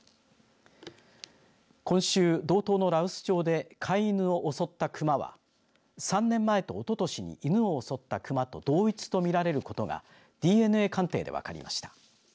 今週、道東の羅臼町で飼い犬を襲ったクマは３年前とおととしに犬を襲ったクマと同一とみられることがＤＮＡ鑑定で分かりました。